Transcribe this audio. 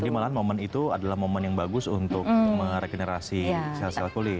jadi malahan momen itu adalah momen yang bagus untuk meregenerasi sel sel kulit